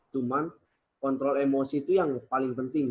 cuman kontrol emosi itu yang paling penting